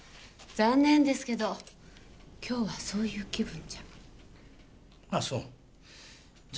残念ですけど今日はそういう気分じゃじゃ